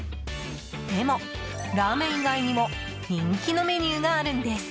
でも、ラーメン以外にも人気のメニューがあるんです。